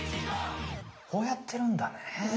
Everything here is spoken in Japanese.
こうやってるんだね。